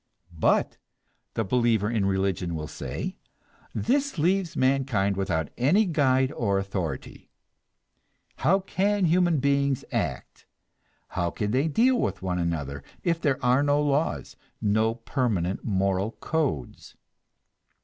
"But," the believer in religion will say, "this leaves mankind without any guide or authority. How can human beings act, how can they deal with one another, if there are no laws, no permanent moral codes?"